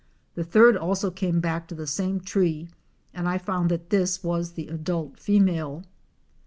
The third also came back to the same tree and I found that this was the adult female.